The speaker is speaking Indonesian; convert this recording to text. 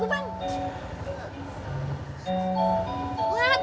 bapak tunggu bang